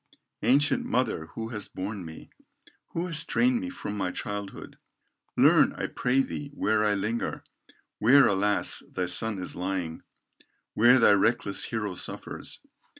"Ancient mother who hast borne me, Who hast trained me from my childhood, Learn, I pray thee, where I linger, Where alas! thy son is lying, Where thy reckless hero suffers.